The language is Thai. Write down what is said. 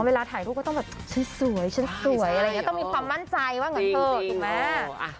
อ๋อเวลาถ่ายรูปก็ต้องแบบฉันสวยฉันสวยต้องมีความมั่นใจว่าเงินเธอถูกมั้ย